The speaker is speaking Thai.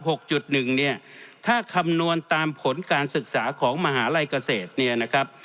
หกจุดหนึ่งเนี่ยถ้าคำนวณตามผลการศึกษาของมหาลัยเกษตรเนี่ยนะครับ